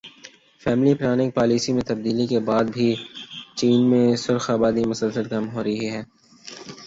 family planning policy میں تبدیلی کے بعد بھی چین میں شرح آبادی مسلسل کم ہو رہی ہے